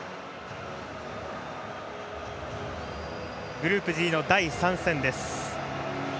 グループＧの第３戦です。